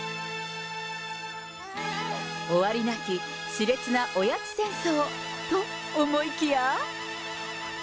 終わりなき、しれつなおやつ戦争。と、思いきや。